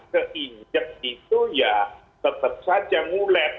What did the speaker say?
keinjek itu ya tetap saja ngulek